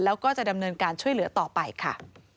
แล้วก็จะดำเนินการช่วยเหลือต่อไปค่ะ